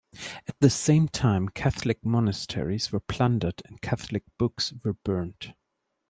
At the same time, Catholic monasteries were plundered and Catholic books were burnt.